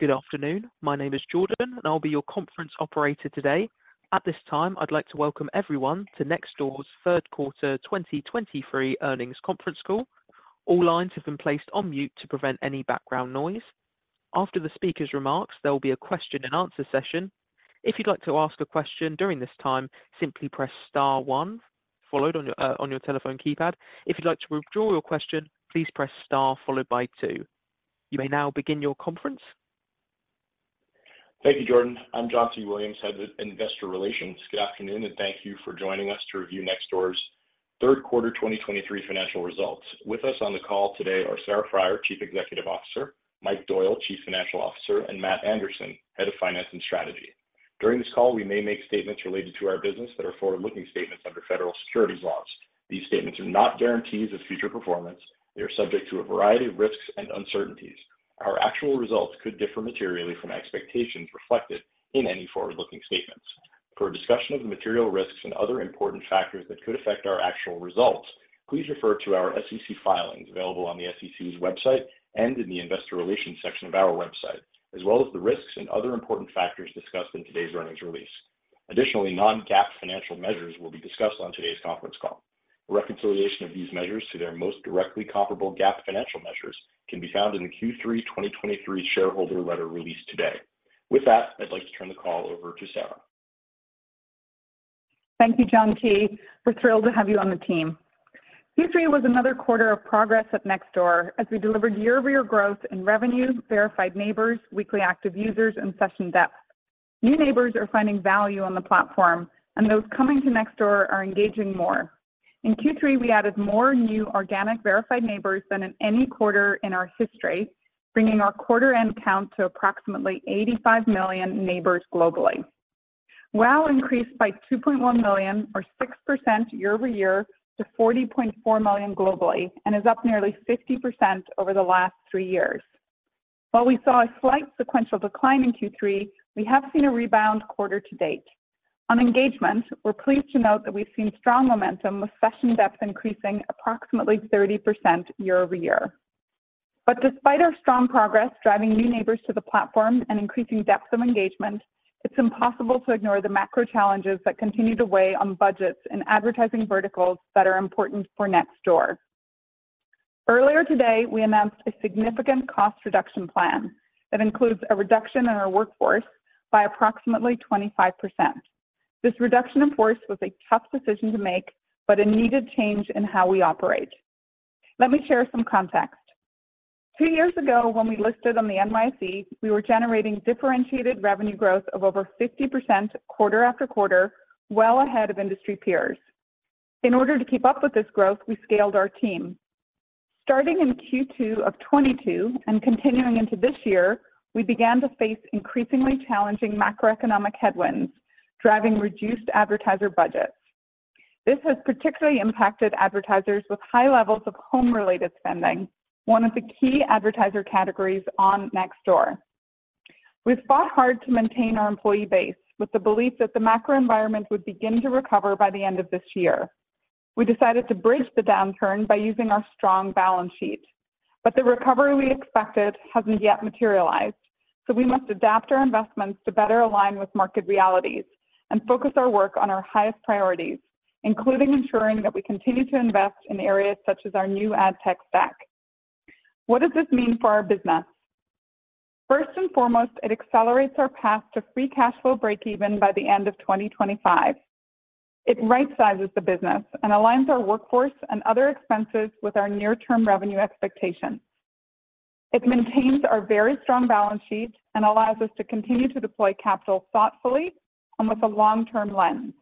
Good afternoon. My name is Jordan, and I'll be your conference operator today. At this time, I'd like to welcome everyone to Nextdoor's third quarter 2023 earnings conference call. All lines have been placed on mute to prevent any background noise. After the speaker's remarks, there will be a question and answer session. If you'd like to ask a question during this time, simply press star one, followed on your on your telephone keypad. If you'd like to withdraw your question, please press star followed by two. You may now begin your conference. Thank you, Jordan. I'm John T. Williams, head of Investor Relations. Good afternoon, and thank you for joining us to review Nextdoor's third quarter 2023 financial results. With us on the call today are Sarah Friar, Chief Executive Officer, Mike Doyle, Chief Financial Officer, and Matt Anderson, Head of Finance and Strategy. During this call, we may make statements related to our business that are forward-looking statements under federal securities laws. These statements are not guarantees of future performance. They are subject to a variety of risks and uncertainties. Our actual results could differ materially from expectations reflected in any forward-looking statements. For a discussion of the material risks and other important factors that could affect our actual results, please refer to our SEC filings available on the SEC's website and in the Investor Relations section of our website, as well as the risks and other important factors discussed in today's earnings release. Additionally, non-GAAP financial measures will be discussed on today's conference call. A reconciliation of these measures to their most directly comparable GAAP financial measures can be found in the Q3 2023 shareholder letter released today. With that, I'd like to turn the call over to Sarah. Thank you, John T. We're thrilled to have you on the team. Q3 was another quarter of progress at Nextdoor, as we delivered year-over-year growth in revenues, verified neighbors, weekly active users, and session depth. New neighbors are finding value on the platform, and those coming to Nextdoor are engaging more. In Q3, we added more new organic verified neighbors than in any quarter in our history, bringing our quarter-end count to approximately 85 million neighbors globally, while increased by 2.1 million, or 6% year over year, to 40.4 million globally and is up nearly 50% over the last three years. While we saw a slight sequential decline in Q3, we have seen a rebound quarter to date. On engagement, we're pleased to note that we've seen strong momentum, with session depth increasing approximately 30% year over year. But despite our strong progress driving new neighbors to the platform and increasing depth of engagement, it's impossible to ignore the macro challenges that continue to weigh on budgets and advertising verticals that are important for Nextdoor. Earlier today, we announced a significant cost reduction plan that includes a reduction in our workforce by approximately 25%. This reduction in force was a tough decision to make, but a needed change in how we operate. Let me share some context. Two years ago, when we listed on the NYSE, we were generating differentiated revenue growth of over 50% quarter after quarter, well ahead of industry peers. In order to keep up with this growth, we scaled our team. Starting in Q2 of 2022 and continuing into this year, we began to face increasingly challenging macroeconomic headwinds, driving reduced advertiser budgets. This has particularly impacted advertisers with high levels of home-related spending, one of the key advertiser categories on Nextdoor. We've fought hard to maintain our employee base with the belief that the macro environment would begin to recover by the end of this year. We decided to bridge the downturn by using our strong balance sheet. But the recovery we expected hasn't yet materialized, so we must adapt our investments to better align with market realities and focus our work on our highest priorities, including ensuring that we continue to invest in areas such as our new ad tech stack. What does this mean for our business? First and foremost, it accelerates our path to free cash flow breakeven by the end of 2025. It right-sizes the business and aligns our workforce and other expenses with our near-term revenue expectations. It maintains our very strong balance sheet and allows us to continue to deploy capital thoughtfully and with a long-term lens.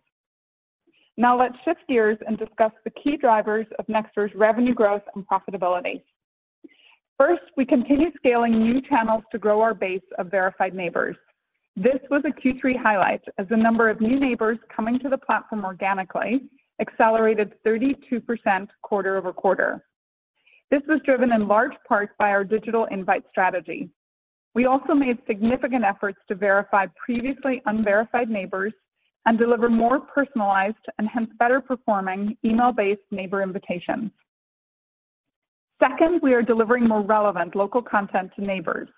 Now, let's shift gears and discuss the key drivers of Nextdoor's revenue growth and profitability. First, we continue scaling new channels to grow our base of verified neighbors. This was a Q3 highlight, as the number of new neighbors coming to the platform organically accelerated 32% quarter-over-quarter. This was driven in large part by our digital invite strategy. We also made significant efforts to verify previously unverified neighbors and deliver more personalized, and hence better performing, email-based neighbor invitations. Second, we are delivering more relevant local content to neighbors.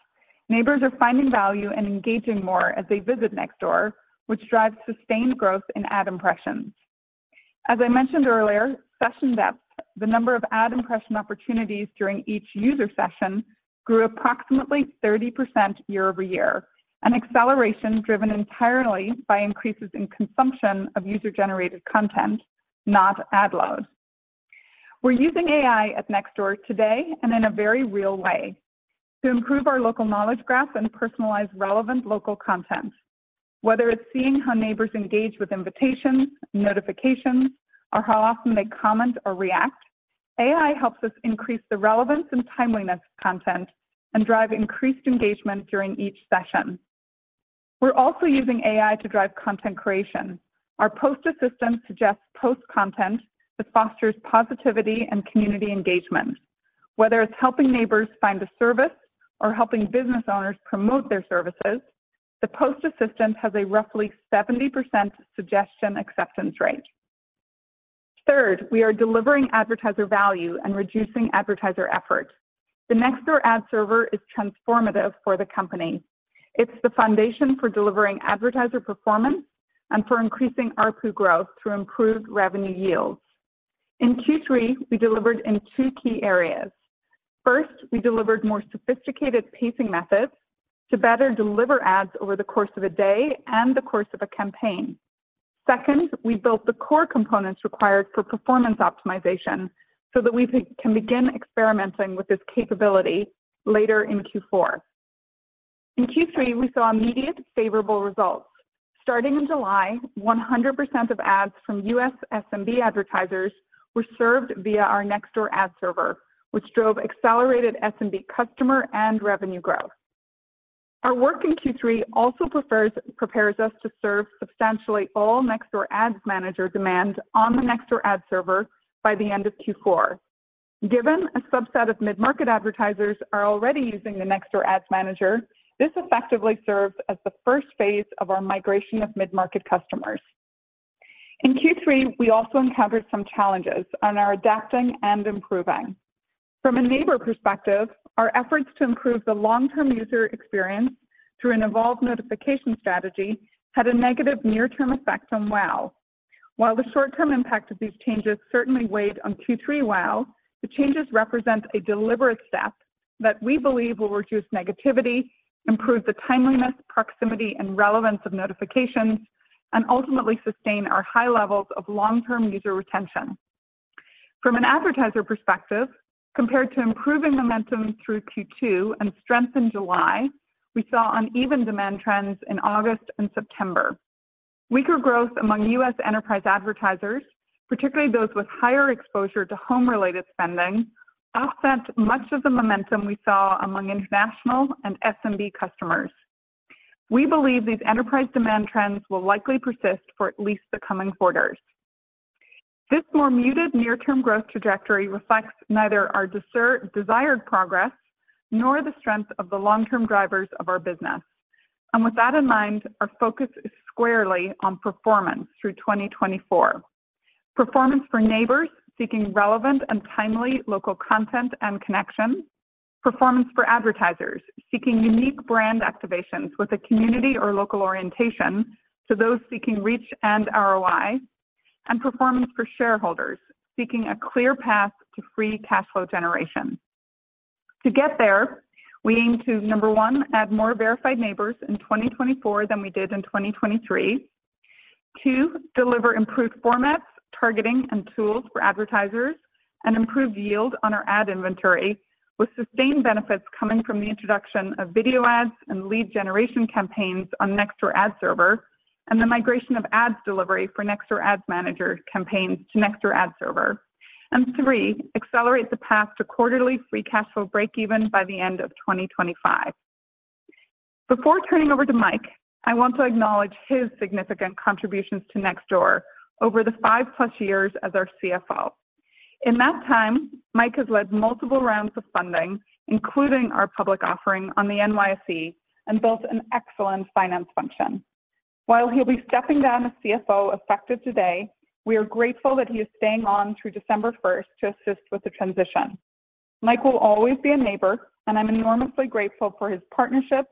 Neighbors are finding value and engaging more as they visit Nextdoor, which drives sustained growth in ad impressions. As I mentioned earlier, Session Depth, the number of ad impression opportunities during each user session, grew approximately 30% year-over-year, an acceleration driven entirely by increases in consumption of user-generated content, not ad load. We're using AI at Nextdoor today and in a very real way to improve our Local Knowledge Graph and personalize relevant local content. Whether it's seeing how neighbors engage with invitations, notifications, or how often they comment or react, AI helps us increase the relevance and timeliness of content and drive increased engagement during each session. We're also using AI to drive content creation. Our Post Assistant suggests post content that fosters positivity and community engagement. Whether it's helping neighbors find a service or helping business owners promote their services, the post assistant has a roughly 70% suggestion acceptance rate. Third, we are delivering advertiser value and reducing advertiser effort. The Nextdoor Ad Server is transformative for the company. It's the foundation for delivering advertiser performance and for increasing ARPU growth through improved revenue yields. In Q3, we delivered in two key areas. First, we delivered more sophisticated pacing methods to better deliver ads over the course of a day and the course of a campaign. Second, we built the core components required for performance optimization so that we can begin experimenting with this capability later in Q4. In Q3, we saw immediate favorable results. Starting in July, 100% of ads from U.S. SMB advertisers were served via our Nextdoor Ad Server, which drove accelerated SMB customer and revenue growth. Our work in Q3 also prepares us to serve substantially all Nextdoor Ads Manager demand on the Nextdoor Ad Server by the end of Q4. Given a subset of mid-market advertisers are already using the Nextdoor Ads Manager, this effectively serves as the first phase of our migration of mid-market customers. In Q3, we also encountered some challenges and are adapting and improving. From a neighbor perspective, our efforts to improve the long-term user experience through an evolved notification strategy had a negative near-term effect on Wow! While the short-term impact of these changes certainly weighed on Q3 Wow!, the changes represent a deliberate step that we believe will reduce negativity, improve the timeliness, proximity, and relevance of notifications, and ultimately sustain our high levels of long-term user retention. From an advertiser perspective, compared to improving momentum through Q2 and strength in July, we saw uneven demand trends in August and September. Weaker growth among U.S. enterprise advertisers, particularly those with higher exposure to home-related spending, offset much of the momentum we saw among international and SMB customers. We believe these enterprise demand trends will likely persist for at least the coming quarters. This more muted near-term growth trajectory reflects neither our desired progress nor the strength of the long-term drivers of our business. With that in mind, our focus is squarely on performance through 2024. Performance for neighbors seeking relevant and timely local content and connection, performance for advertisers seeking unique brand activations with a community or local orientation to those seeking reach and ROI, and performance for shareholders seeking a clear path to free cash flow generation. To get there, we aim to, number one, add more Verified Neighbors in 2024 than we did in 2023. 2, deliver improved formats, targeting, and tools for advertisers and improve yield on our ad inventory, with sustained benefits coming from the introduction of video ads and lead generation campaigns on Nextdoor Ad Server, and the migration of ads delivery for Nextdoor Ads Manager campaigns to Nextdoor Ad Server. 3, accelerate the path to quarterly free cash flow breakeven by the end of 2025. Before turning over to Mike, I want to acknowledge his significant contributions to Nextdoor over the 5+ years as our CFO. In that time, Mike has led multiple rounds of funding, including our public offering on the NYSE, and built an excellent finance function. While he'll be stepping down as CFO effective today, we are grateful that he is staying on through December 1 to assist with the transition. Mike will always be a neighbor, and I'm enormously grateful for his partnership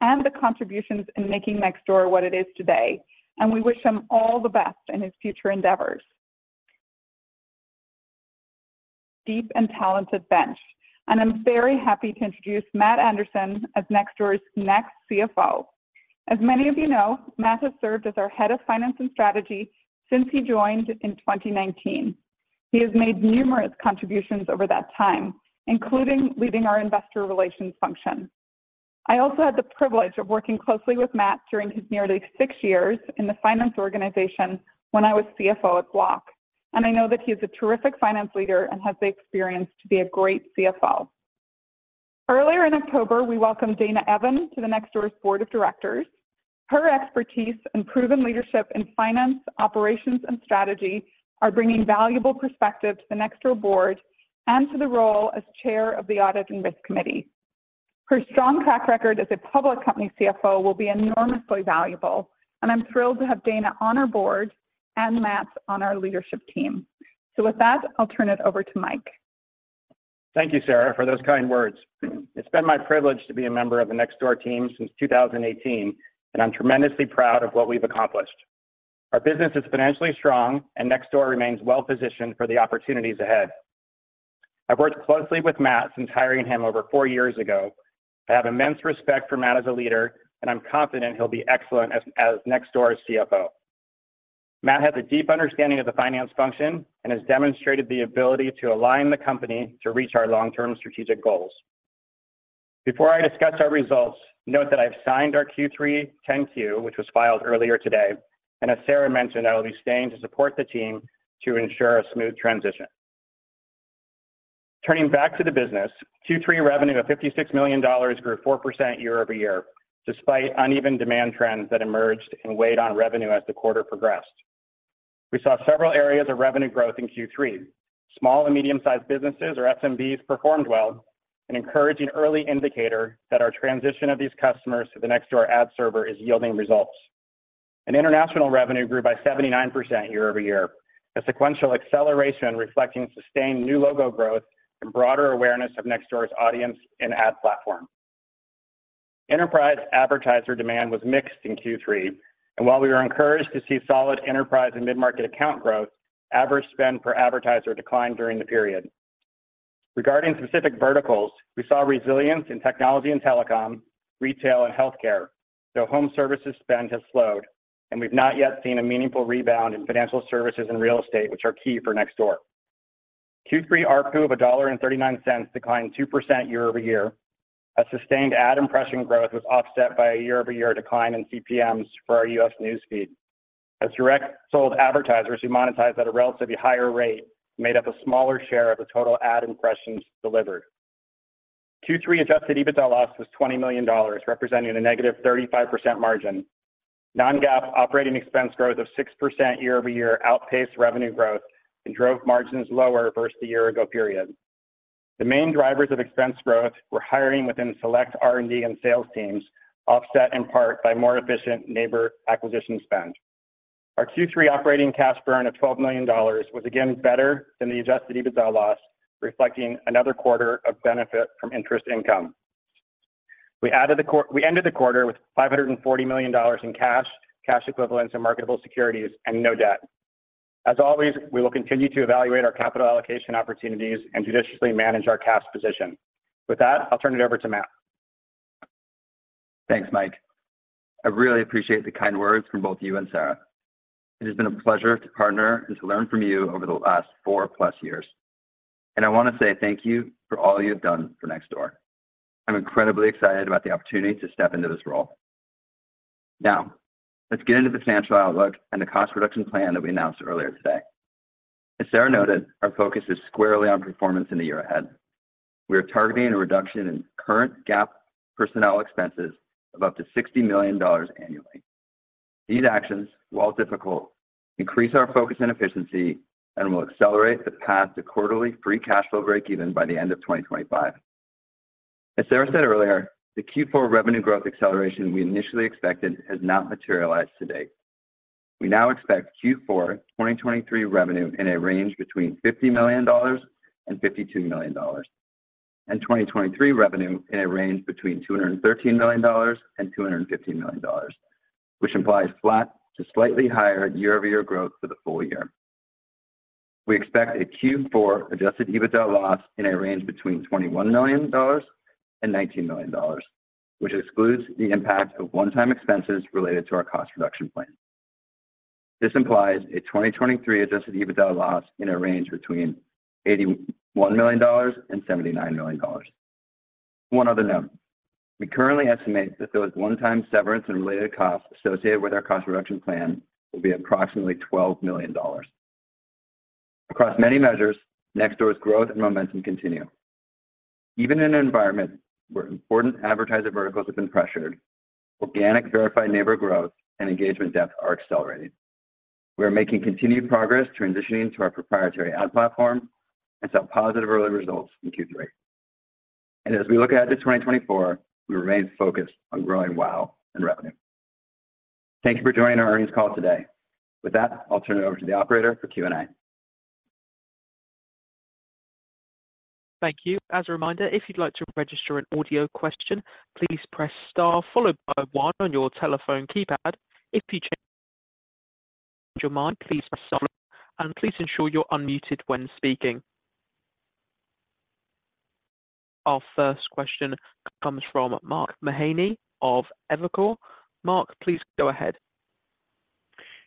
and the contributions in making Nextdoor what it is today, and we wish him all the best in his future endeavors. Deep and talented bench, and I'm very happy to introduce Matt Anderson as Nextdoor's next CFO. As many of you know, Matt has served as our Head of Finance and Strategy since he joined in 2019. He has made numerous contributions over that time, including leading our investor relations function. I also had the privilege of working closely with Matt during his nearly six years in the finance organization when I was CFO at Block, and I know that he is a terrific finance leader and has the experience to be a great CFO. Earlier in October, we welcomed Dana Evan to Nextdoor's board of directors. Her expertise and proven leadership in finance, operations, and strategy are bringing valuable perspective to the Nextdoor board and to the role as Chair of the Audit and Risk Committee. Her strong track record as a public company CFO will be enormously valuable, and I'm thrilled to have Dana on our board and Matt on our leadership team. With that, I'll turn it over to Mike. Thank you, Sarah, for those kind words. It's been my privilege to be a member of the Nextdoor team since 2018, and I'm tremendously proud of what we've accomplished. Our business is financially strong, and Nextdoor remains well-positioned for the opportunities ahead. I've worked closely with Matt since hiring him over four years ago. I have immense respect for Matt as a leader, and I'm confident he'll be excellent as Nextdoor's CFO. Matt has a deep understanding of the finance function and has demonstrated the ability to align the company to reach our long-term strategic goals. Before I discuss our results, note that I've signed our Q3 10-Q, which was filed earlier today, and as Sarah mentioned, I will be staying to support the team to ensure a smooth transition. Turning back to the business, Q3 revenue of $56 million grew 4% year-over-year, despite uneven demand trends that emerged and weighed on revenue as the quarter progressed. We saw several areas of revenue growth in Q3. Small and medium-sized businesses, or SMBs, performed well, an encouraging early indicator that our transition of these customers to the Nextdoor ad server is yielding results. International revenue grew by 79% year-over-year, a sequential acceleration reflecting sustained new logo growth and broader awareness of Nextdoor's audience and ad platform. Enterprise advertiser demand was mixed in Q3, and while we were encouraged to see solid enterprise and mid-market account growth, average spend per advertiser declined during the period. Regarding specific verticals, we saw resilience in technology and telecom, retail, and healthcare, though home services spend has slowed, and we've not yet seen a meaningful rebound in financial services and real estate, which are key for Nextdoor. Q3 ARPU of $1.39 declined 2% year-over-year. A sustained ad impression growth was offset by a year-over-year decline in CPMs for our U.S. newsfeed. As direct sold advertisers who monetize at a relatively higher rate made up a smaller share of the total ad impressions delivered. Q3 adjusted EBITDA loss was $20 million, representing a negative 35% margin. Non-GAAP operating expense growth of 6% year-over-year outpaced revenue growth and drove margins lower versus the year ago period. The main drivers of expense growth were hiring within select R&D and sales teams, offset in part by more efficient neighbor acquisition spend. Our Q3 operating cash burn of $12 million was again better than the adjusted EBITDA loss, reflecting another quarter of benefit from interest income. We ended the quarter with $540 million in cash, cash equivalents, and marketable securities and no debt. As always, we will continue to evaluate our capital allocation opportunities and judiciously manage our cash position. With that, I'll turn it over to Matt. Thanks, Mike. I really appreciate the kind words from both you and Sarah. It has been a pleasure to partner and to learn from you over the last four-plus years, and I want to say thank you for all you have done for Nextdoor. I'm incredibly excited about the opportunity to step into this role. Now, let's get into the financial outlook and the cost reduction plan that we announced earlier today. As Sarah noted, our focus is squarely on performance in the year ahead. We are targeting a reduction in current GAAP personnel expenses of up to $60 million annually. These actions, while difficult, increase our focus and efficiency and will accelerate the path to quarterly free cash flow breakeven by the end of 2025. As Sarah said earlier, the Q4 revenue growth acceleration we initially expected has not materialized to date. We now expect Q4 2023 revenue in a range between $50 million and $52 million, and 2023 revenue in a range between $213 million and $215 million, which implies flat to slightly higher year-over-year growth for the full year. We expect a Q4 Adjusted EBITDA loss in a range between $21 million and $19 million, which excludes the impact of one-time expenses related to our cost reduction plan. This implies a 2023 Adjusted EBITDA loss in a range between $81 million and $79 million. One other note: We currently estimate that those one-time severance and related costs associated with our cost reduction plan will be approximately $12 million. Across many measures, Nextdoor's growth and momentum continue. Even in an environment where important advertiser verticals have been pressured, organic verified neighbor growth and engagement depth are accelerating. We are making continued progress transitioning to our proprietary ad platform and saw positive early results in Q3. And as we look ahead to 2024, we remain focused on growing Wow! and revenue. Thank you for joining our earnings call today. With that, I'll turn it over to the operator for Q&A. Thank you. As a reminder, if you'd like to register an audio question, please press Star, followed by 1 on your telephone keypad. If you change your mind, please press Star, and please ensure you're unmuted when speaking. Our first question comes from Mark Mahaney of Evercore. Mark, please go ahead.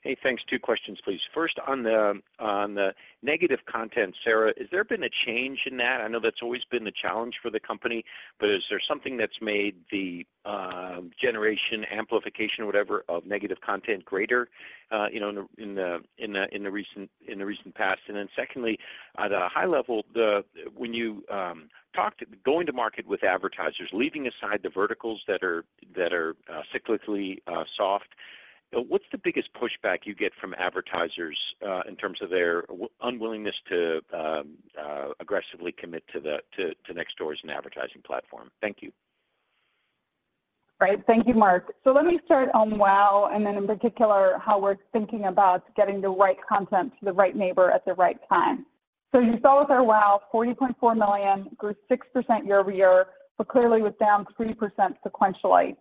Hey, thanks. Two questions, please. First, on the negative content, Sarah, has there been a change in that? I know that's always been a challenge for the company, but is there something that's made the generation, amplification, or whatever, of negative content greater, you know, in the recent past? And then secondly, at a high level, the... When you talked going to market with advertisers, leaving aside the verticals that are cyclically soft, what's the biggest pushback you get from advertisers in terms of their unwillingness to aggressively commit to Nextdoor as an advertising platform? Thank you. Great. Thank you, Mark. So let me start on Wow!, and then in particular, how we're thinking about getting the right content to the right neighbor at the right time. So you saw with our Wow!, $40.4 million, grew 6% year-over-year, but clearly was down 3% sequentially.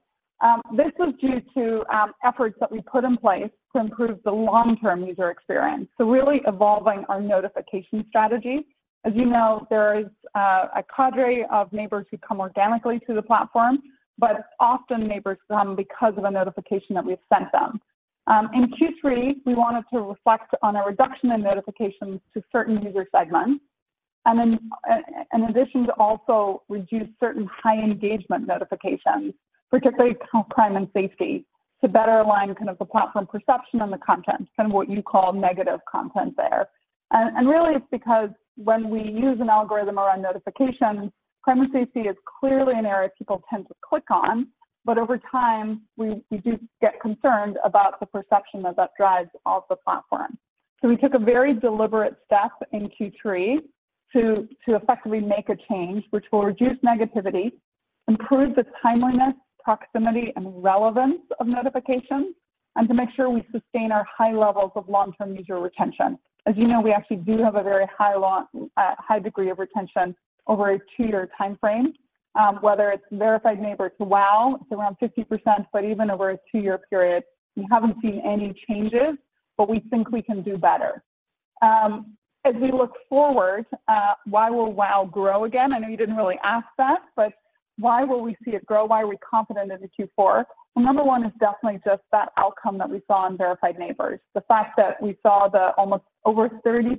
This was due to efforts that we put in place to improve the long-term user experience, so really evolving our notification strategy. As you know, there is a cadre of neighbors who come organically to the platform, but often neighbors come because of a notification that we've sent them. In Q3, we wanted to reflect on a reduction in notifications to certain user segments, and then, in addition, to also reduce certain high engagement notifications, particularly crime and safety, to better align kind of the platform perception on the content, kind of what you call negative content there. And really, it's because when we use an algorithm around notifications, crime and safety is clearly an area people tend to click on... but over time, we do get concerned about the perception that that drives off the platform. So we took a very deliberate step in Q3 to effectively make a change, which will reduce negativity, improve the timeliness, proximity, and relevance of notifications, and to make sure we sustain our high levels of long-term user retention. As you know, we actually do have a very high long, high degree of retention over a two-year timeframe, whether it's Verified Neighbors or Wow! It's around 50%, but even over a two-year period, we haven't seen any changes, but we think we can do better. As we look forward, why will Wow! grow again? I know you didn't really ask that, but why will we see it grow? Why are we confident into Q4? Well, number one is definitely just that outcome that we saw on Verified Neighbors. The fact that we saw the almost over 30%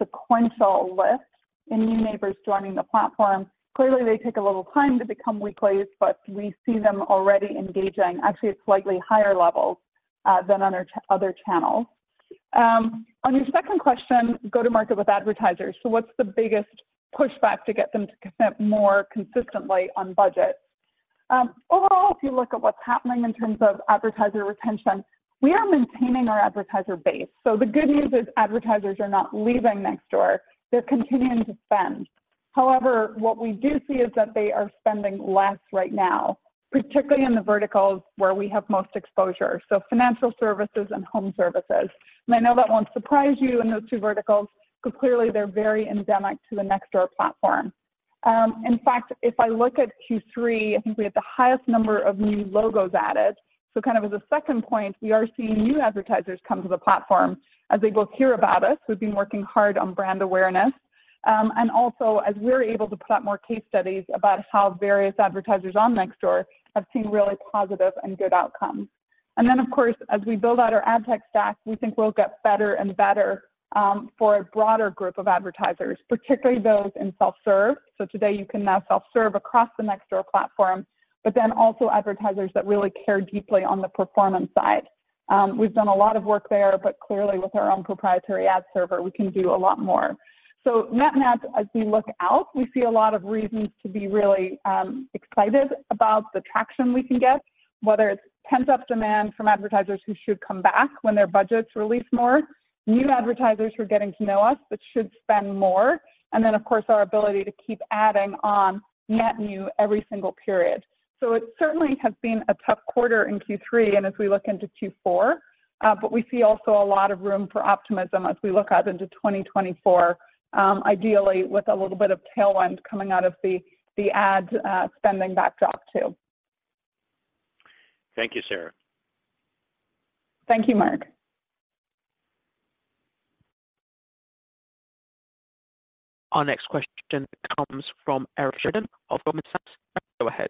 sequential lift in new neighbors joining the platform, clearly they take a little time to become replaced, but we see them already engaging actually at slightly higher levels, than on our other channels. On your second question, go to market with advertisers. So what's the biggest pushback to get them to commit more consistently on budget? Overall, if you look at what's happening in terms of advertiser retention, we are maintaining our advertiser base. So the good news is advertisers are not leaving Nextdoor. They're continuing to spend. However, what we do see is that they are spending less right now, particularly in the verticals where we have most exposure, so financial services and home services. And I know that won't surprise you in those two verticals, because clearly they're very endemic to the Nextdoor platform. In fact, if I look at Q3, I think we had the highest number of new logos added. So kind of as a second point, we are seeing new advertisers come to the platform as they both hear about us, we've been working hard on brand awareness, and also as we're able to put out more case studies about how various advertisers on Nextdoor have seen really positive and good outcomes. And then, of course, as we build out our ad tech stack, we think we'll get better and better, for a broader group of advertisers, particularly those in self-serve. So today, you can now self-serve across the Nextdoor platform, but then also advertisers that really care deeply on the performance side. We've done a lot of work there, but clearly with our own proprietary ad server, we can do a lot more. So net, net, as we look out, we see a lot of reasons to be really excited about the traction we can get, whether it's pent-up demand from advertisers who should come back when their budgets release more, new advertisers who are getting to know us but should spend more, and then, of course, our ability to keep adding on net new every single period. So it certainly has been a tough quarter in Q3 and as we look into Q4, but we see also a lot of room for optimism as we look out into 2024, ideally with a little bit of tailwind coming out of the ad spending backdrop, too. Thank you, Sarah. Thank you, Mark. Our next question comes from Eric Sheridan of Goldman Sachs. Go ahead.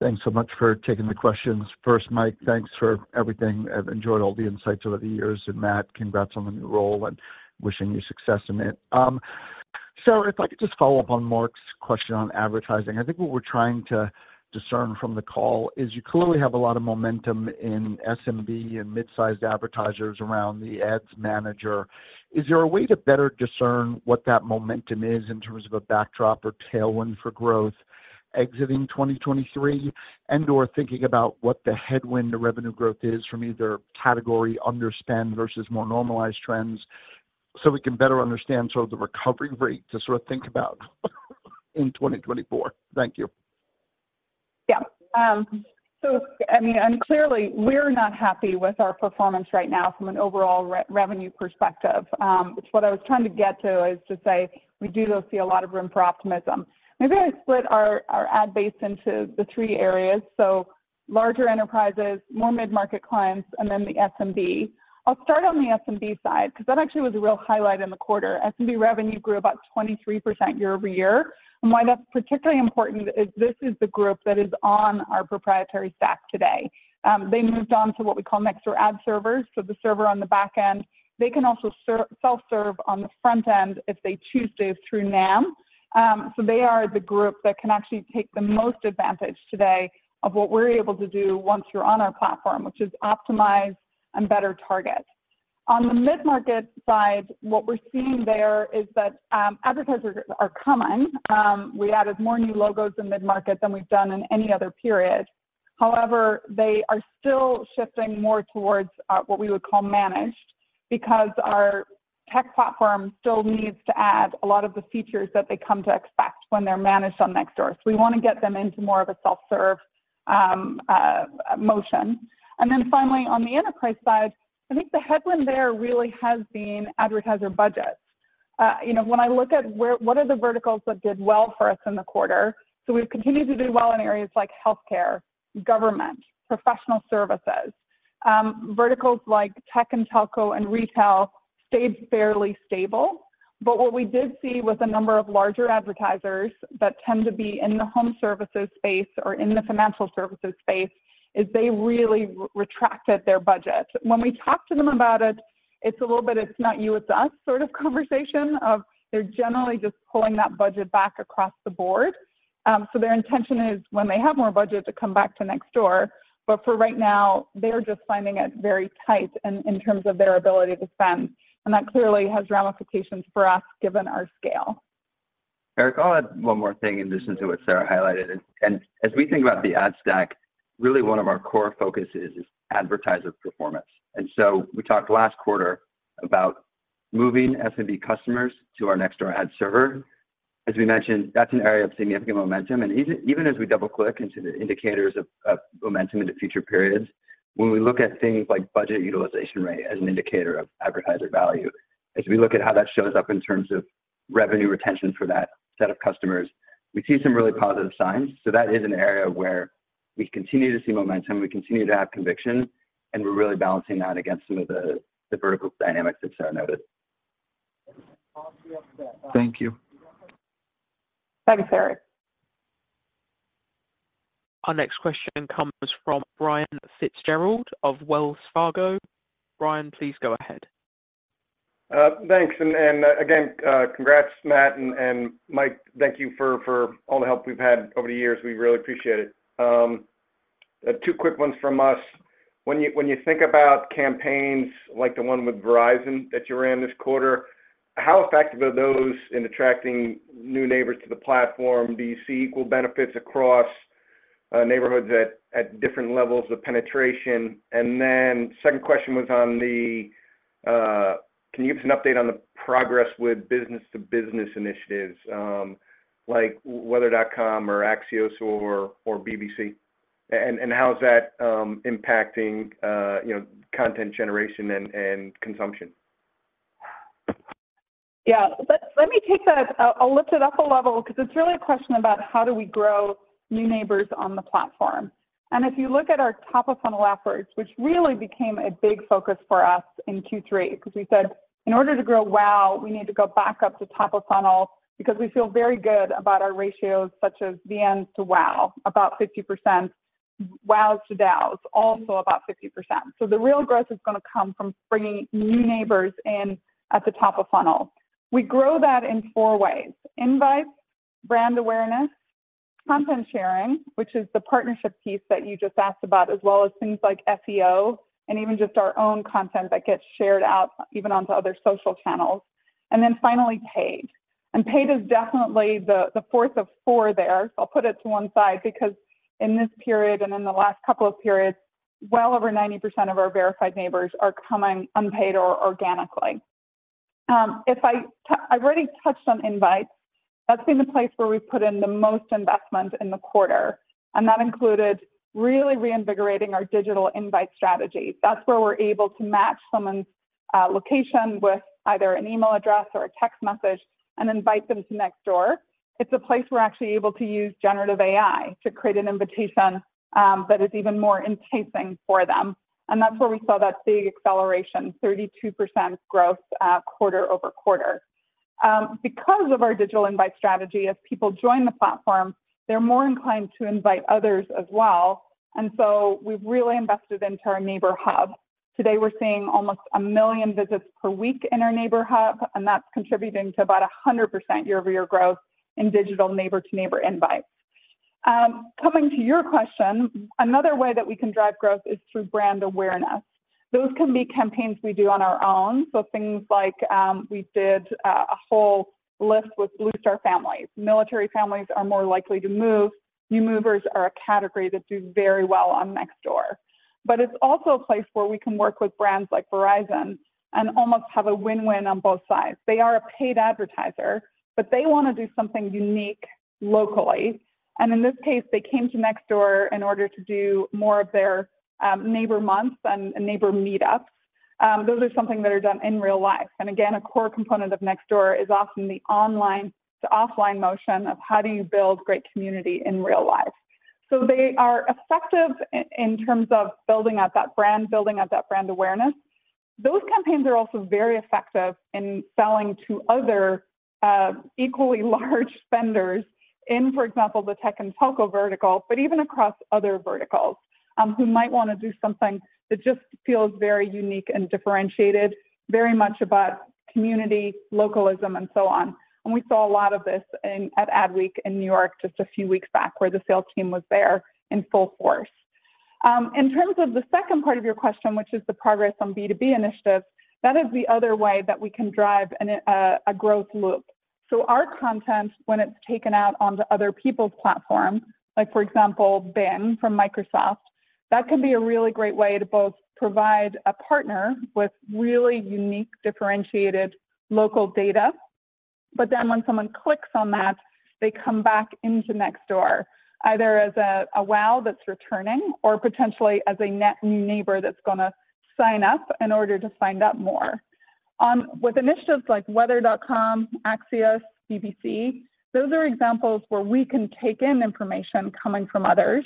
Thanks so much for taking the questions. First, Mike, thanks for everything. I've enjoyed all the insights over the years, and Matt, congrats on the new role and wishing you success in it. So if I could just follow up on Mark's question on advertising, I think what we're trying to discern from the call is you clearly have a lot of momentum in SMB and mid-sized advertisers around the ads manager. Is there a way to better discern what that momentum is in terms of a backdrop or tailwind for growth exiting 2023, and/or thinking about what the headwind to revenue growth is from either category underspend versus more normalized trends, so we can better understand sort of the recovery rate to sort of think about in 2024? Thank you. Yeah. So I mean, and clearly, we're not happy with our performance right now from an overall revenue perspective. Which what I was trying to get to is to say we do see a lot of room for optimism. Maybe I split our ad base into the three areas, so larger enterprises, more mid-market clients, and then the SMB. I'll start on the SMB side, because that actually was a real highlight in the quarter. SMB revenue grew about 23% year-over-year. And why that's particularly important is this is the group that is on our proprietary stack today. They moved on to what we call Nextdoor Ad Servers, so the server on the back end. They can also self-serve on the front end if they choose to through NAM. So they are the group that can actually take the most advantage today of what we're able to do once you're on our platform, which is optimize and better target. On the mid-market side, what we're seeing there is that advertisers are coming. We added more new logos in mid-market than we've done in any other period. However, they are still shifting more towards what we would call managed, because our tech platform still needs to add a lot of the features that they come to expect when they're managed on Nextdoor. So we want to get them into more of a self-serve motion. And then finally, on the enterprise side, I think the headwind there really has been advertiser budgets. You know, when I look at what are the verticals that did well for us in the quarter, so we've continued to do well in areas like healthcare, government, professional services. Verticals like tech and telco and retail stayed fairly stable, but what we did see was a number of larger advertisers that tend to be in the home services space or in the financial services space, is they really retracted their budget. When we talk to them about it, it's a little bit, "It's not you, it's us," sort of conversation of they're generally just pulling that budget back across the board. So their intention is when they have more budget to come back to Nextdoor, but for right now, they're just finding it very tight in terms of their ability to spend, and that clearly has ramifications for us, given our scale.... Eric, I'll add one more thing in addition to what Sarah highlighted. And as we think about the ad stack, really one of our core focuses is advertiser performance. And so we talked last quarter about moving SMB customers to our Nextdoor Ad Server. As we mentioned, that's an area of significant momentum, and even as we double-click into the indicators of momentum into future periods, when we look at things like budget utilization rate as an indicator of advertiser value, as we look at how that shows up in terms of revenue retention for that set of customers, we see some really positive signs. So that is an area where we continue to see momentum, we continue to have conviction, and we're really balancing that against some of the vertical dynamics that Sarah noted. Thank you. Thank you, Eric. Our next question comes from Brian Fitzgerald of Wells Fargo. Brian, please go ahead. Thanks. And, again, congrats, Matt. And Mike, thank you for all the help we've had over the years. We really appreciate it. Two quick ones from us. When you think about campaigns like the one with Verizon that you ran this quarter, how effective are those in attracting new neighbors to the platform? Do you see equal benefits across neighborhoods at different levels of penetration? And then second question was on the... Can you give us an update on the progress with business-to-business initiatives, like Weather.com or Axios or BBC? And how is that impacting, you know, content generation and consumption? Yeah. Let, let me take that. I'll, I'll lift it up a level, 'cause it's really a question about how do we grow new neighbors on the platform. And if you look at our top-of-funnel efforts, which really became a big focus for us in Q3, 'cause we said, "In order to grow Wow!, we need to go back up to top-of-funnel," because we feel very good about our ratios, such as the ends to Wow!, about 50% Wows! to dows, also about 50%. So the real growth is gonna come from bringing new neighbors in at the top of funnel. We grow that in four ways: invites, brand awareness, content sharing, which is the partnership piece that you just asked about, as well as things like SEO and even just our own content that gets shared out even onto other social channels, and then finally, paid. Paid is definitely the fourth of four there, so I'll put it to one side because in this period and in the last couple of periods, well over 90% of our Verified Neighbors are coming unpaid or organically. I've already touched on invites. That's been the place where we've put in the most investment in the quarter, and that included really reinvigorating our digital invite strategy. That's where we're able to match someone's location with either an email address or a text message and invite them to Nextdoor. It's a place we're actually able to use generative AI to create an invitation that is even more enticing for them, and that's where we saw that big acceleration, 32% growth quarter-over-quarter. Because of our digital invite strategy, as people join the platform, they're more inclined to invite others as well, and so we've really invested into our Neighbor Hub. Today, we're seeing almost 1 million visits per week in our Neighbor Hub, and that's contributing to about 100% year-over-year growth in digital neighbor-to-neighbor invites. Coming to your question, another way that we can drive growth is through brand awareness. Those can be campaigns we do on our own, so things like, we did a whole list with Blue Star Families. Military families are more likely to move. New movers are a category that do very well on Nextdoor. But it's also a place where we can work with brands like Verizon and almost have a win-win on both sides. They are a paid advertiser, but they wanna do something unique locally. In this case, they came to Nextdoor in order to do more of their neighbor months and neighbor meetups. Those are something that are done in real life. And again, a core component of Nextdoor is often the online to offline motion of: How do you build great community in real life? So they are effective in terms of building out that brand, building out that brand awareness. Those campaigns are also very effective in selling to other equally large spenders in, for example, the tech and telco vertical, but even across other verticals, who might wanna do something that just feels very unique and differentiated, very much about community, localism, and so on. And we saw a lot of this in at ADWEEK in New York just a few weeks back, where the sales team was there in full force. In terms of the second part of your question, which is the progress on B2B initiatives, that is the other way that we can drive a growth loop. So our content, when it's taken out onto other people's platforms, like, for example, Bing from Microsoft, that can be a really great way to both provide a partner with really unique, differentiated local data. But then, when someone clicks on that, they come back into Nextdoor, either as a Wow! that's returning or potentially as a new neighbor that's gonna sign up in order to find out more. With initiatives like Weather.com, Axios, BBC, those are examples where we can take in information coming from others,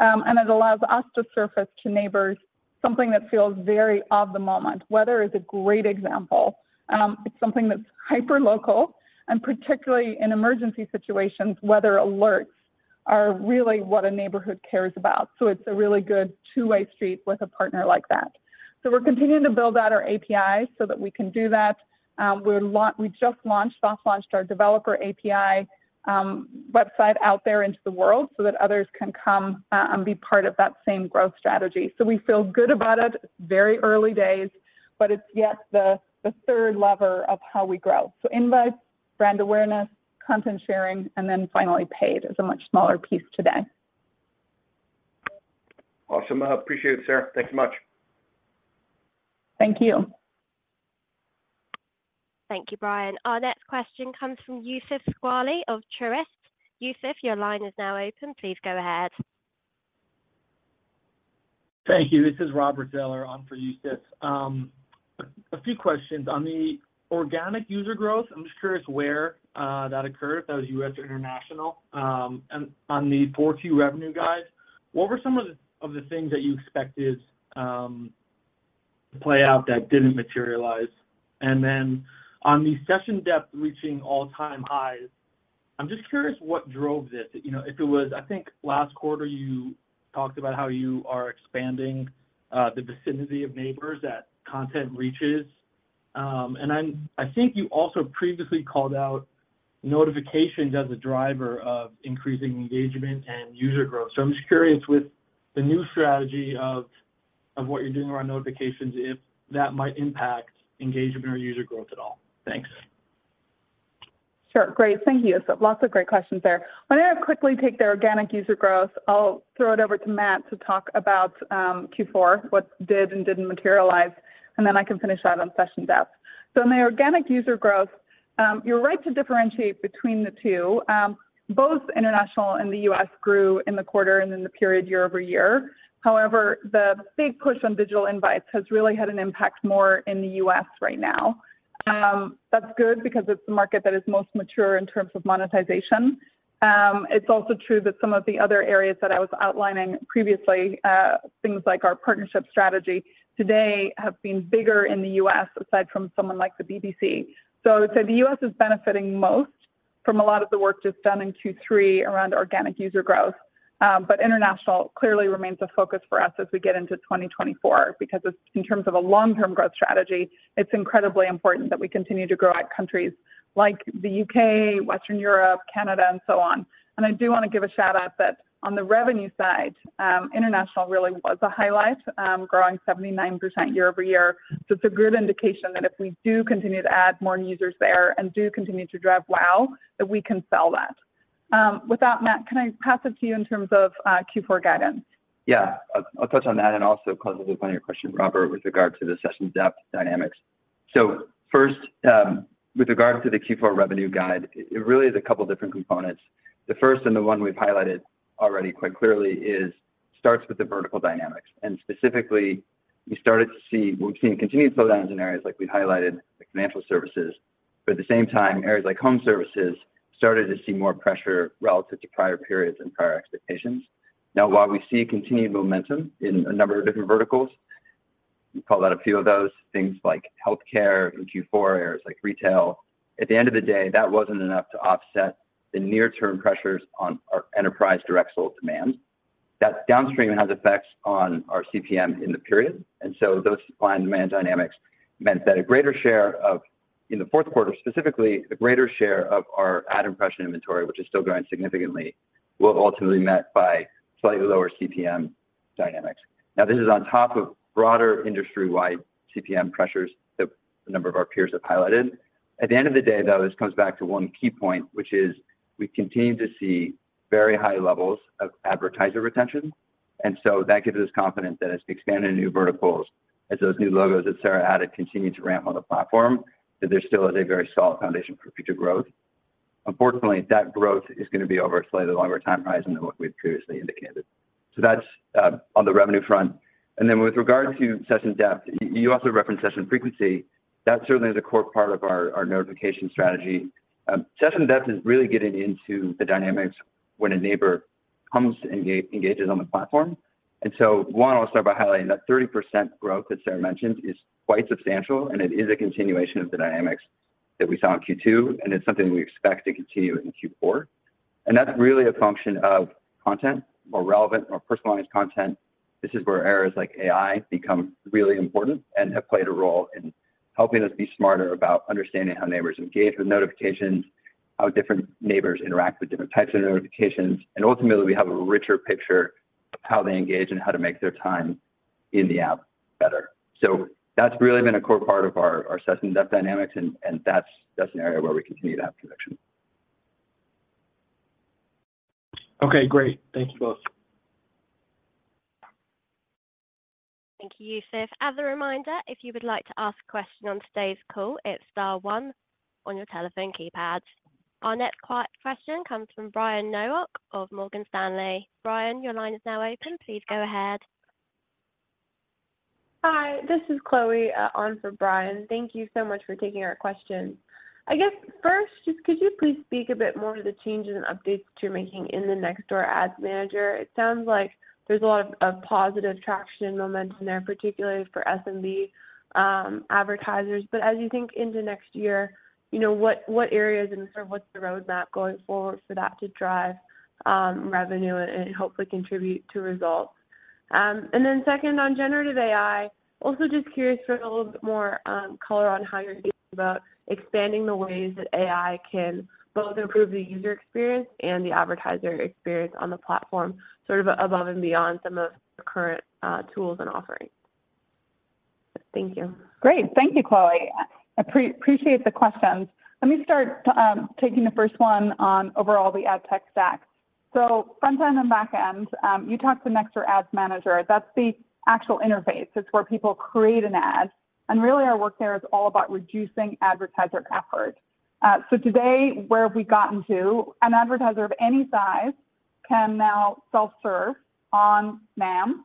and it allows us to surface to neighbors something that feels very of the moment. Weather is a great example, and it's something that's hyperlocal. Particularly in emergency situations, weather alerts are really what a neighborhood cares about, so it's a really good two-way street with a partner like that. So we're continuing to build out our API so that we can do that. We just launched, soft launched our developer API, website out there into the world so that others can come, and be part of that same growth strategy. So we feel good about it. Very early days, but it's yet the third lever of how we grow. So invites, brand awareness, content sharing, and then finally, paid is a much smaller piece today.... Awesome. I appreciate it, Sarah. Thanks so much. Thank you. Thank you, Brian. Our next question comes from Yusef Squali of Truist. Yusef, your line is now open. Please go ahead. Thank you. This is Robert Zeller on for Yusef. A few questions. On the organic user growth, I'm just curious where that occurred, if that was U.S. or international? And on the Q4 revenue guide, what were some of the things that you expected to play out that didn't materialize? And then on the session depth reaching all-time highs, I'm just curious what drove this. You know, if it was—I think last quarter you talked about how you are expanding the vicinity of neighbors that content reaches. And I think you also previously called out notifications as a driver of increasing engagement and user growth. So I'm just curious, with the new strategy of what you're doing around notifications, if that might impact engagement or user growth at all? Thanks. Sure. Great. Thank you, Yusef. Lots of great questions there. Why don't I quickly take the organic user growth? I'll throw it over to Matt to talk about Q4, what did and didn't materialize, and then I can finish out on session depth. So on the organic user growth, you're right to differentiate between the two. Both international and the U.S. grew in the quarter and in the period year-over-year. However, the big push on digital invites has really had an impact more in the U.S. right now. That's good because it's the market that is most mature in terms of monetization. It's also true that some of the other areas that I was outlining previously, things like our partnership strategy, today have been bigger in the U.S., aside from someone like the BBC. So I would say the U.S. is benefiting most from a lot of the work that's done in Q3 around organic user growth. But international clearly remains a focus for us as we get into 2024, because it's, in terms of a long-term growth strategy, it's incredibly important that we continue to grow at countries like the U.K., Western Europe, Canada, and so on. I do wanna give a shout-out that on the revenue side, international really was a highlight, growing 79% year-over-year. So it's a good indication that if we do continue to add more users there and do continue to drive wow, that we can sell that. With that, Matt, can I pass it to you in terms of Q4 guidance? Yeah. I'll, I'll touch on that and also close the loop on your question, Robert, with regard to the session depth dynamics. So first, with regard to the Q4 revenue guide, it really is a couple different components. The first, and the one we've highlighted already quite clearly, starts with the vertical dynamics, and specifically, we started to see, we've seen continued slowdowns in areas like we've highlighted, like financial services, but at the same time, areas like home services started to see more pressure relative to prior periods and prior expectations. Now, while we see continued momentum in a number of different verticals, we called out a few of those, things like healthcare in Q4, areas like retail, at the end of the day, that wasn't enough to offset the near-term pressures on our enterprise direct sold demand. That downstream has effects on our CPM in the period, and so those supply and demand dynamics meant that a greater share of, in the fourth quarter, specifically, a greater share of our ad impression inventory, which is still growing significantly, were ultimately met by slightly lower CPM dynamics. Now, this is on top of broader industry-wide CPM pressures that a number of our peers have highlighted. At the end of the day, though, this comes back to one key point, which is we continue to see very high levels of advertiser retention, and so that gives us confidence that as we expand into new verticals, as those new logos that Sarah added continue to ramp on the platform, that there still is a very solid foundation for future growth. Unfortunately, that growth is gonna be over a slightly longer time horizon than what we've previously indicated. So that's on the revenue front. And then with regard to session depth, you also referenced session frequency. That certainly is a core part of our notification strategy. Session depth is really getting into the dynamics when a neighbor comes to engage, engages on the platform. And so I'll start by highlighting that 30% growth that Sarah mentioned is quite substantial, and it is a continuation of the dynamics that we saw in Q2, and it's something we expect to continue into Q4. And that's really a function of content, more relevant, more personalized content. This is where areas like AI become really important and have played a role in helping us be smarter about understanding how neighbors engage with notifications, how different neighbors interact with different types of notifications. Ultimately, we have a richer picture of how they engage and how to make their time in the app better. So that's really been a core part of our session depth dynamics, and that's an area where we continue to have conviction. Okay, great. Thank you both. Thank you, Yusef. As a reminder, if you would like to ask a question on today's call, it's star one on your telephone keypad. Our next question comes from Brian Nowak of Morgan Stanley. Brian, your line is now open. Please go ahead. Hi, this is Chloe on for Brian. Thank you so much for taking our question. I guess first, just could you please speak a bit more to the changes and updates you're making in the Nextdoor Ads Manager? It sounds like there's a lot of positive traction and momentum there, particularly for SMB advertisers. But as you think into next year, you know, what areas and sort of what's the roadmap going forward for that to drive revenue and hopefully contribute to results? And then second, on Generative AI, also just curious for a little bit more color on how you're thinking about expanding the ways that AI can both improve the user experience and the advertiser experience on the platform, sort of above and beyond some of the current tools and offerings.... Thank you. Great. Thank you, Chloe. I appreciate the questions. Let me start taking the first one on overall the ad tech stack. So front end and back end, you talked to Nextdoor Ads Manager. That's the actual interface. It's where people create an ad, and really, our work there is all about reducing advertiser effort. So today, where have we gotten to? An advertiser of any size can now self-serve on NAM.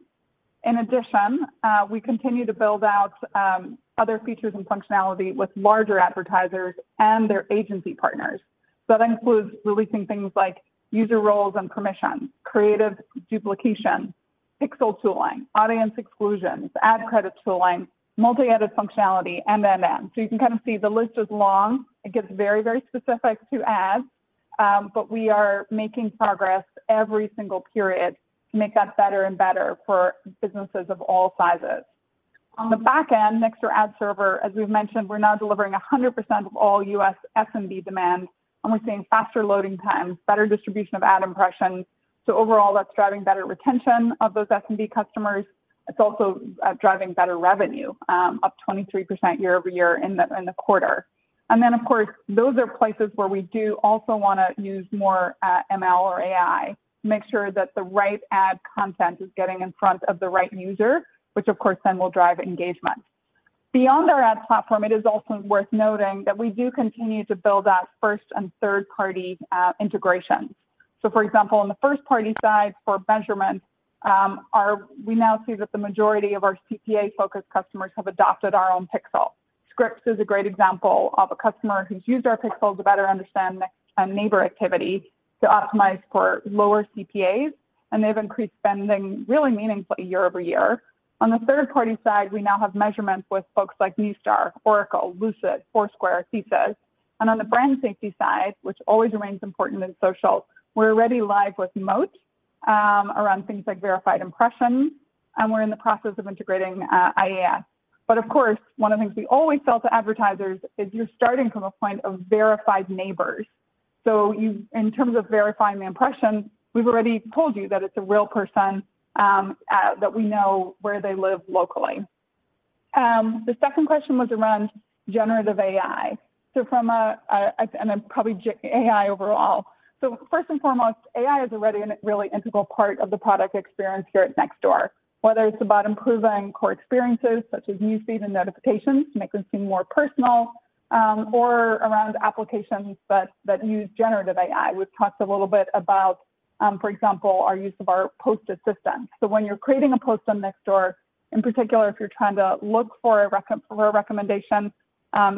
In addition, we continue to build out other features and functionality with larger advertisers and their agency partners. So that includes releasing things like user roles and permissions, creative duplication, pixel tooling, audience exclusions, ad credit tooling, multi-edit functionality, MMM. So you can kind of see the list is long. It gets very, very specific to ads, but we are making progress every single period to make that better and better for businesses of all sizes. On the back end, Nextdoor Ad Server, as we've mentioned, we're now delivering 100% of all U.S. SMB demand, and we're seeing faster loading times, better distribution of ad impressions. So overall, that's driving better retention of those SMB customers. It's also driving better revenue, up 23% year-over-year in the quarter. And then, of course, those are places where we do also wanna use more ML or AI to make sure that the right ad content is getting in front of the right user, which of course, then will drive engagement. Beyond our ad platform, it is also worth noting that we do continue to build out first- and third-party integration. So for example, on the first-party side for measurement, our We now see that the majority of our CPA-focused customers have adopted our own pixel. Scripps is a great example of a customer who's used our pixel to better understand their, neighbor activity to optimize for lower CPAs, and they've increased spending really meaningfully year over year. On the third-party side, we now have measurements with folks like Neustar, Oracle, Lucid, Foursquare, Thesa. And on the brand safety side, which always remains important in social, we're already live with Moat, around things like verified impressions, and we're in the process of integrating, IA. But of course, one of the things we always sell to advertisers is you're starting from a point of verified neighbors. So you—in terms of verifying the impression, we've already told you that it's a real person, that we know where they live locally. The second question was around generative AI. So from AI and then probably generative AI overall. So first and foremost, AI is already a really integral part of the product experience here at Nextdoor. Whether it's about improving core experiences, such as newsfeed and notifications, to make them seem more personal, or around applications that use generative AI. We've talked a little bit about, for example, our use of our post assistant. So when you're creating a post on Nextdoor, in particular, if you're trying to look for a recommendation,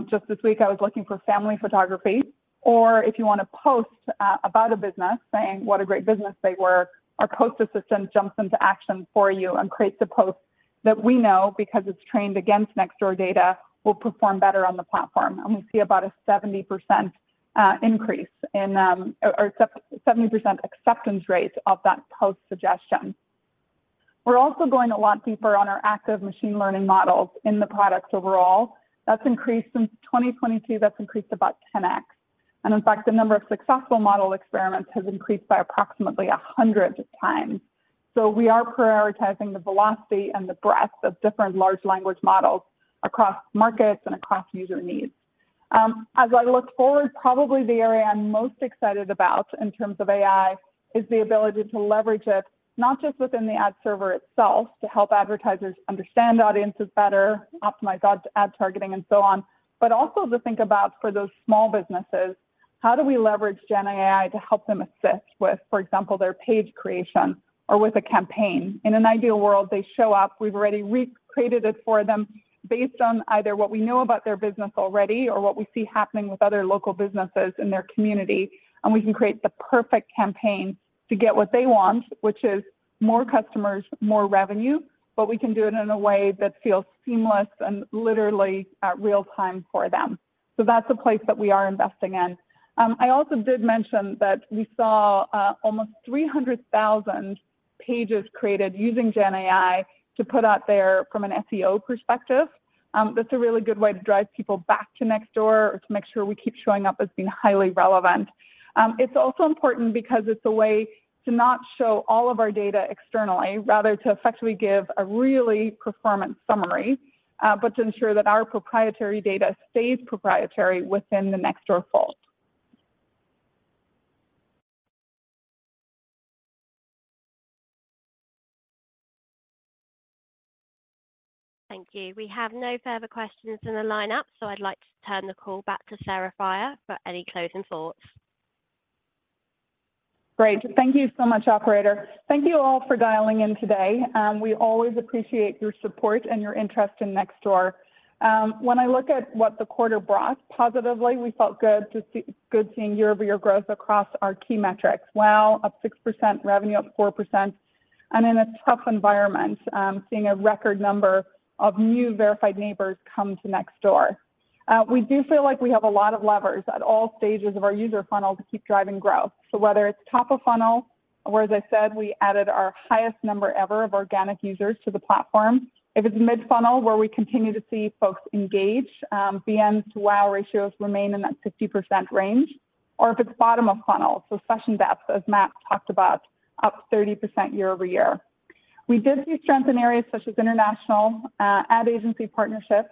just this week, I was looking for family photography, or if you want to post about a business, saying what a great business they were, our post assistant jumps into action for you and creates a post that we know because it's trained against Nextdoor data, will perform better on the platform. And we see about a 70% acceptance rate of that post suggestion. We're also going a lot deeper on our active machine learning models in the products overall. That's increased since 2022, that's increased about 10x. And in fact, the number of successful model experiments has increased by approximately 100x. So we are prioritizing the velocity and the breadth of different large language models across markets and across user needs. As I look forward, probably the area I'm most excited about in terms of AI is the ability to leverage it, not just within the ad server itself, to help advertisers understand audiences better, optimize ad, ad targeting, and so on, but also to think about for those small businesses, how do we leverage Gen AI to help them assist with, for example, their page creation or with a campaign? In an ideal world, they show up, we've already re-created it for them based on either what we know about their business already or what we see happening with other local businesses in their community, and we can create the perfect campaign to get what they want, which is more customers, more revenue, but we can do it in a way that feels seamless and literally at real time for them. So that's a place that we are investing in. I also did mention that we saw almost 300,000 pages created using Gen AI to put out there from an SEO perspective. That's a really good way to drive people back to Nextdoor or to make sure we keep showing up as being highly relevant. It's also important because it's a way to not show all of our data externally, rather to effectively give a really performance summary, but to ensure that our proprietary data stays proprietary within the Nextdoor vault. Thank you. We have no further questions in the lineup, so I'd like to turn the call back to Sarah Friar for any closing thoughts. Great. Thank you so much, operator. Thank you all for dialing in today. We always appreciate your support and your interest in Nextdoor. When I look at what the quarter brought, positively, we felt good seeing year-over-year growth across our key metrics. Wow, up 6%, revenue up 4%, and in a tough environment, seeing a record number of new Verified Neighbors come to Nextdoor. We do feel like we have a lot of levers at all stages of our user funnel to keep driving growth. So whether it's top of funnel, where, as I said, we added our highest number ever of organic users to the platform. If it's mid-funnel, where we continue to see folks engage, BM to Wow! ratios remain in that 50% range... or if it's bottom of funnel, so session depth, as Matt talked about, up 30% year-over-year. We did see strength in areas such as international, ad agency partnerships,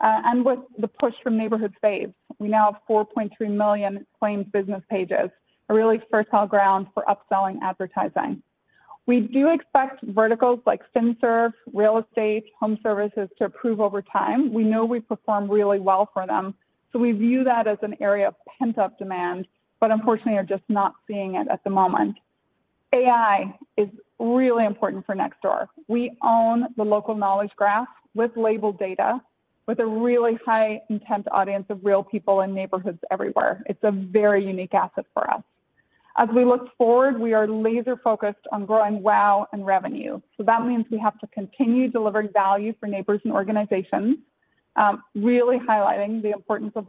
and with the push from Neighborhood Faves. We now have 4.3 million claimed business pages, a really fertile ground for upselling advertising. We do expect verticals like Finserve, Real Estate, Home Services to improve over time. We know we perform really well for them, so we view that as an area of pent-up demand, but unfortunately, are just not seeing it at the moment. AI is really important for Nextdoor. We own the local knowledge graph with labeled data, with a really high intent audience of real people in neighborhoods everywhere. It's a very unique asset for us. As we look forward, we are laser-focused on growing Wow! and revenue. So that means we have to continue delivering value for neighbors and organizations, really highlighting the importance of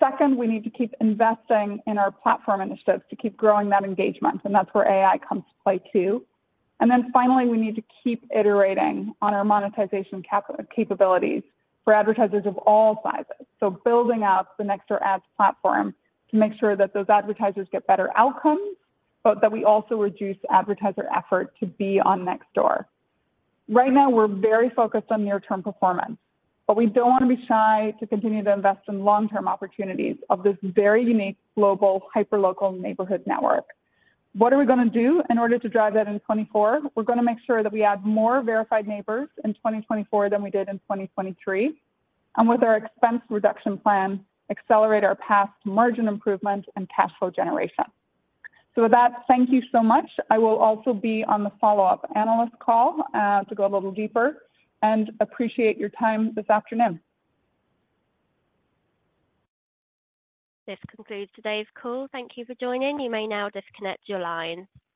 local. Second, we need to keep investing in our platform initiatives to keep growing that engagement, and that's where AI comes to play, too. And then finally, we need to keep iterating on our monetization capabilities for advertisers of all sizes. So building out the Nextdoor ads platform to make sure that those advertisers get better outcomes, but that we also reduce advertiser effort to be on Nextdoor. Right now, we're very focused on near-term performance, but we don't want to be shy to continue to invest in long-term opportunities of this very unique, global, hyper-local neighborhood network. What are we gonna do in order to drive that in 2024? We're gonna make sure that we add more Verified Neighbors in 2024 than we did in 2023, and with our expense reduction plan, accelerate our past margin improvement and cash flow generation. So with that, thank you so much. I will also be on the follow-up analyst call, to go a little deeper, and appreciate your time this afternoon. This concludes today's call. Thank you for joining. You may now disconnect your line.